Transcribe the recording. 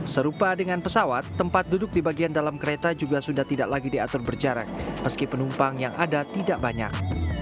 serupa dengan pesawat tempat duduk di bagian dalam kereta juga sudah tidak lagi diatur berjarak meski penumpang yang ada tidak banyak